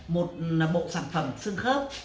một bộ sản phẩm xương khớp